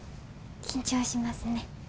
緊張しますね。